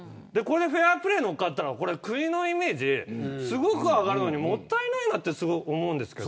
フェアプレーにのっかったら国のイメージ、すごく上がるのにもったいないなと思うんです。